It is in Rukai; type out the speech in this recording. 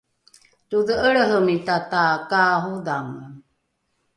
todhe’elrehemita takaarodhange